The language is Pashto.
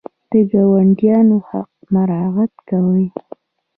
د ګاونډیانو حق مراعات کوئ؟